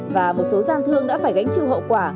và một số gian thương đã phải gánh chịu hậu quả